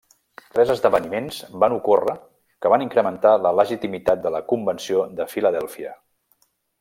Tres esdeveniments van ocórrer que van incrementar la legitimitat de la Convenció de Filadèlfia.